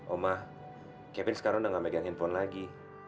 oma kevin sekarang udah gak megang handphone lagi